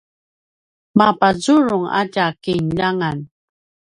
mapazurung a tja kinljangan